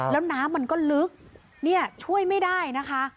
แล้วน้ำมันก็ลึกเนี่ยช่วยไม่ได้นะคะ